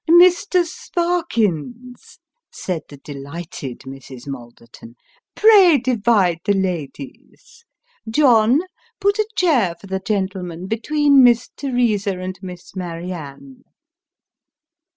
" Mr. Sparkins," said the delighted Mrs. Malderton, " pray divide the ladies. John, put a chair for the gentleman between Miss Teresa and Miss Marianne."